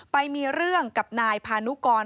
ไปมีเรื่องกับนายพานุกร